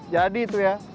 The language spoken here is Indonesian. jadi itu ya